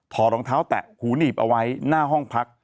รองเท้าแตะหูหนีบเอาไว้หน้าห้องพัก